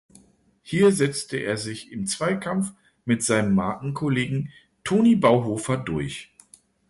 Hier setzte er sich im Zweikampf mit seinem Markenkollegen Toni Bauhofer durch.